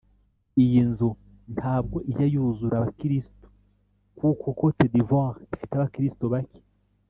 Iyi nzu ntabwo ijya yuzura abakiristu kuko Cote d’ ivore ifite abakiristu bake